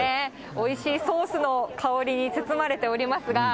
おいしいソースの香りに包まれておりますが。